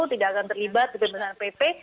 tidak akan terlibat ke pembelaan pp